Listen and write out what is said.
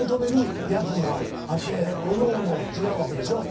おのおの違うわけでしょ。